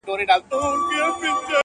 محفل به رنګین نه کي دا سوځلي وزرونه-